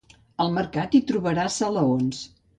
Al mercat hi trobaràs salaons.